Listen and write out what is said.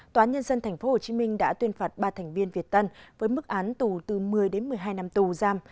tòa án nhân dân tp hcm đã tuyên phạt ba thành viên việt tân với mức án tù từ một mươi đến một mươi hai năm tù giam